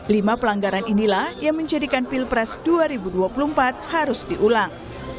lima pelanggaran inilah yang menjadikan pilpres dua ribu dua puluh empat harus diulang